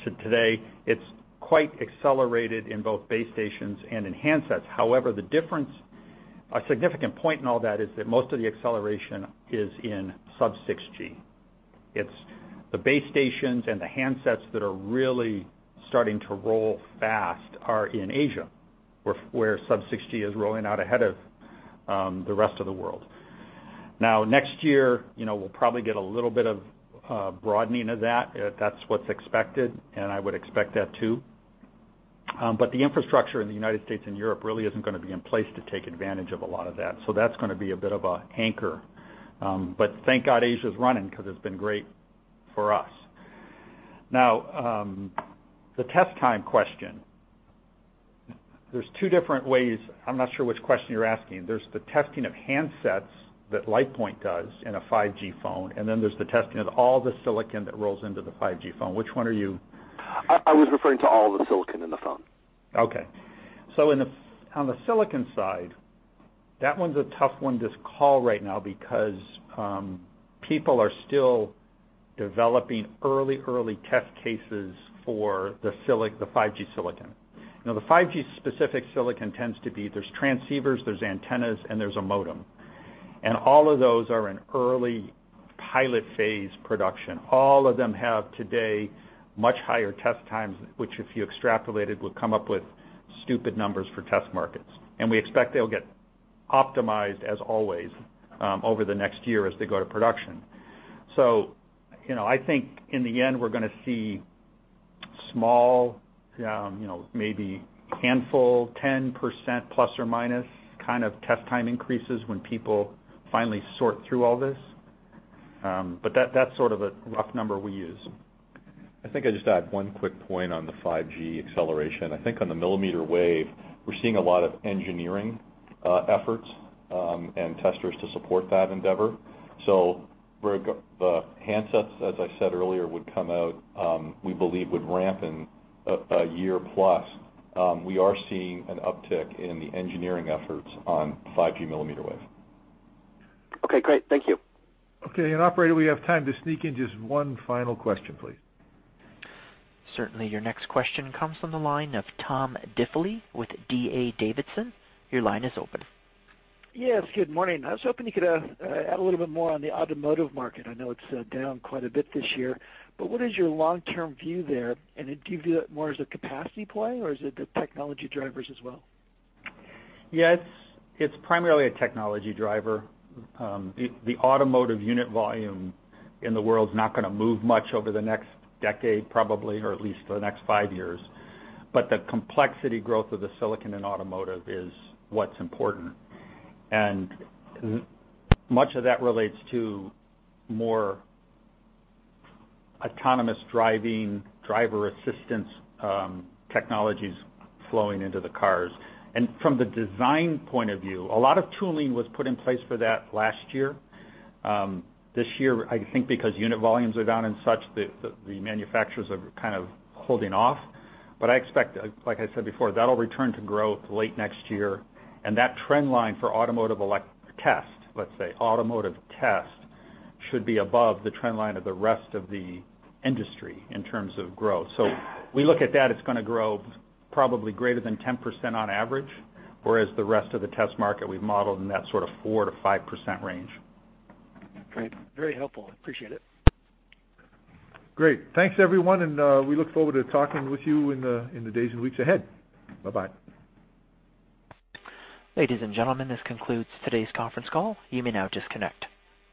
to today?" It's quite accelerated in both base stations and in handsets. However, the difference, a significant point in all that is that most of the acceleration is in sub-6 GHz. It's the base stations and the handsets that are really starting to roll fast are in Asia, where sub-6 GHz is rolling out ahead of the rest of the world. Next year, we'll probably get a little bit of broadening of that. That's what's expected, and I would expect that, too. The infrastructure in the United States and Europe really isn't going to be in place to take advantage of a lot of that. That's going to be a bit of an anchor. Thank God Asia's running, because it's been great for us. The test time question, there's two different ways. I'm not sure which question you're asking. There's the testing of handsets that LitePoint does in a 5G phone, and then there's the testing of all the silicon that rolls into the 5G phone. Which one are you? I was referring to all of the silicon in the phone. Okay. On the silicon side, that one's a tough one to call right now because people are still developing early test cases for the 5G silicon. The 5G-specific silicon tends to be, there's transceivers, there's antennas, and there's a modem. All of those are in early pilot phase production. All of them have, today, much higher test times, which, if you extrapolated, would come up with stupid numbers for test markets. We expect they'll get optimized, as always, over the next year as they go to production. I think in the end, we're going to see small, maybe handful, 10%-plus or minus kind of test time increases when people finally sort through all this. That's sort of a rough number we use. I think I'd just add one quick point on the 5G acceleration. I think on the mmWave, we're seeing a lot of engineering efforts and testers to support that endeavor. Where the handsets, as I said earlier, would come out, we believe would ramp in a year-plus. We are seeing an uptick in the engineering efforts on 5G mmWave. Okay, great. Thank you. Okay. operator, we have time to sneak in just one final question, please. Certainly. Your next question comes from the line of Tom Diffely with D.A. Davidson. Your line is open. Yes, good morning. I was hoping you could add a little bit more on the automotive market. I know it's down quite a bit this year. What is your long-term view there? Do you view that more as a capacity play, or is it the technology drivers as well? Yeah, it's primarily a technology driver. The automotive unit volume in the world's not going to move much over the next decade, probably, or at least for the next five years. The complexity growth of the silicon in automotive is what's important. Much of that relates to more autonomous driving, driver assistance technologies flowing into the cars. From the design point of view, a lot of tooling was put in place for that last year. This year, I think because unit volumes are down and such, the manufacturers are kind of holding off. I expect, like I said before, that'll return to growth late next year, and that trend line for automotive test should be above the trend line of the rest of the industry in terms of growth. We look at that, it's going to grow probably greater than 10% on average, whereas the rest of the test market we've modeled in that sort of 4%-5% range. Great. Very helpful. I appreciate it. Great. Thanks, everyone, and we look forward to talking with you in the days and weeks ahead. Bye-bye. Ladies and gentlemen, this concludes today's conference call. You may now disconnect.